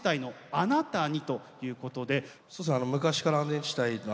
「あなたに」。